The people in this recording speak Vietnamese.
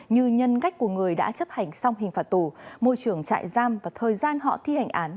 những người đã chấp hành xong hình phạt tù môi trường chạy giam và thời gian họ thi hành án